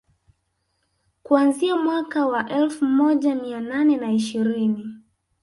Kuanzia mwaka wa elfu moja mia nane na ishirini